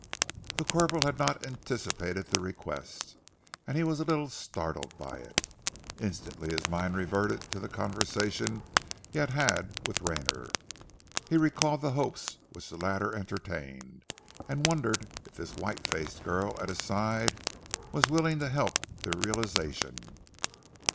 The corporal had not anticipated the request, and he was a little startled by it. Instantly his mind reverted to the conversation he had had with Rayner. He recalled the hopes which the latter entertained, and wondered if this white faced girl at his side was willing to help their realization.